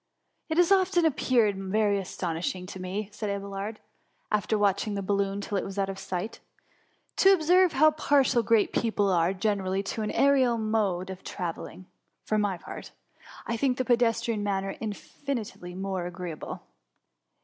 *^ It has often appeared very astonishing to me," said Abelard, after watching the balloon 60 THE MUMMY. till it was out of sight, to observe how partial great people are generally to an aerial mode of travelling ; for my part, I think the pedestrian manner infinitely more agreeable.